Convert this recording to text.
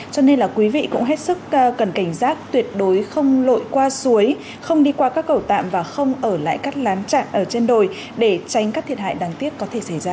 cho nên là quý vị cũng hết sức cần cảnh giác tuyệt đối không lội qua suối không đi qua các cầu tạm và không ở lại các lán trạng ở trên đồi để tránh các thiệt hại đáng tiếc có thể xảy ra